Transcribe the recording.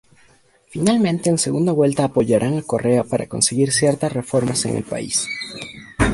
Finalmente en segunda vuelta apoyaran a Correa para conseguir ciertas reformas en el país.